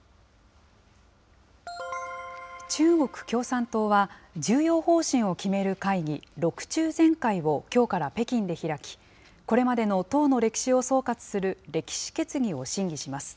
中国共産党は、重要方針を決める会議、６中全会をきょうから北京で開き、これまでの党の歴史を総括する歴史決議を審議します。